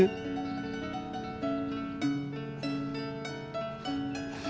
kenapa memikirkan anak anak gue